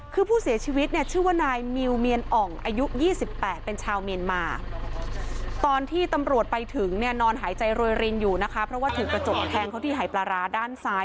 คือผู้เสียชีวิตชื่อว่านายมิวเมียนอ่องอายุ๒๘เป็นชาวเมียนมา